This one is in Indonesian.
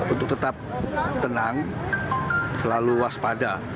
untuk tetap tenang selalu waspada